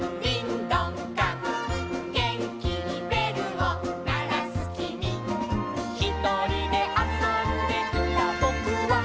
「げんきにべるをならすきみ」「ひとりであそんでいたぼくは」